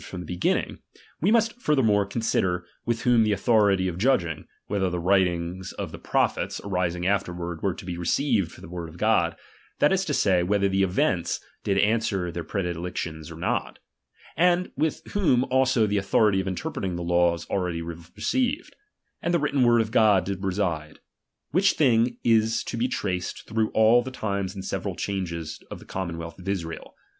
^«from the beginning; we must furthermore con ^uffei^T* sider, with whom the authority of judging, whether the writings of the prophets arising afterward were to be received for the word of God ; that is say, whether the events did answer their predic tions or not ; and with whom also the authority of interpreting the laws already received, and the written word of God, did reside : which thing is to be traced through all the times and several changes of the commonwealth of Israel.